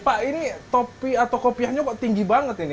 pak ini topi atau kopiahnya tinggi banget ini